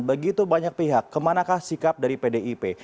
begitu banyak pihak kemanakah sikap dari pdip